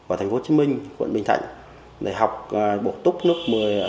ở thành phố hồ chí minh quận bình thạnh để học bộ túc lớp một mươi một mươi một một mươi hai